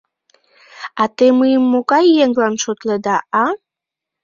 А те мыйым могай еҥлан шотледа, а?